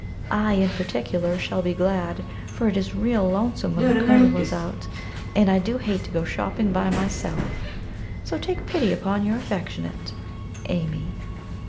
I, in particular, shall be glad, for it is real lonesome when the Colonel is out, and I do hate to go shopping by myself, So take pity upon your affectionate "AMY."